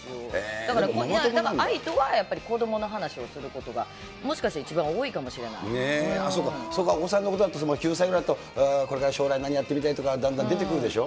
だからＡＩとは、やっぱり子どもの話をすることが、もしかして、一番多いかそうか、お子さんのことだと、９歳ぐらいだと、これから将来、何やってみたいとか、だんだん出てくるでしょ。